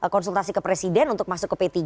konsultasi ke presiden untuk masuk ke p tiga